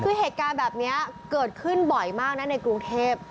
คือเหตุการณ์แบบนี้เกิดขึ้นบ่อยมากนะในกรุงเทพ